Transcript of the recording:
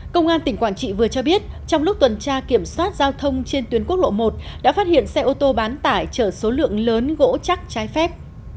công an tỉnh quảng trị vừa cho biết trong lúc tuần tra kiểm soát giao thông trên tuyến quốc lộ một đã phát hiện xe ô tô bán tải chở số lượng lớn gỗ chắc trái phép